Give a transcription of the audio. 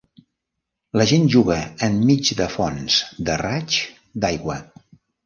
La gent juga enmig de fonts de raigs d'aigua.